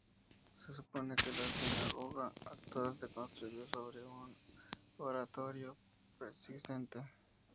Se supone que la sinagoga actual se construyó sobre un oratorio preexistente.